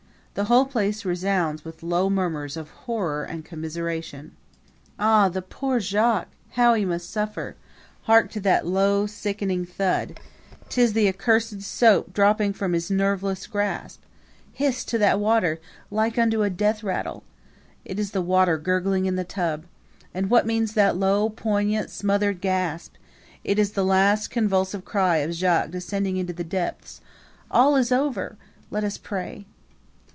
The whole place resounds with low murmurs of horror and commiseration. Ah, the poor Jacques how he must suffer! Hark to that low, sickening thud! 'Tis the accursed soap dropping from his nerveless grasp. Hist to that sound like unto a death rattle! It is the water gurgling in the tub. And what means that low, poignant, smothered gasp? It is the last convulsive cry of Jacques descending into the depths. All is over! Let us pray!